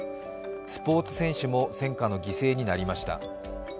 スポーツ選手も戦火の犠牲になりました。